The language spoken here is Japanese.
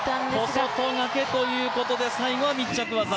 小外掛ということで最後は密着技。